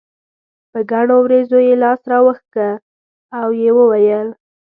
په ګڼو وريځو یې لاس راښکه او یې وویل.